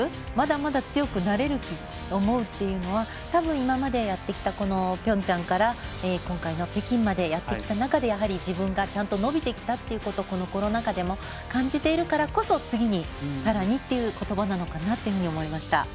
まだまだ強くなれると思うというのは多分今までやってきたピョンチャンから今回の北京までやってきた中で自分が伸びてきたということをこのコロナ禍でも感じているからこそ、次にさらにという言葉なのかなと思いました。